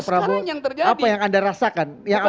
prabowo apa yang anda rasakan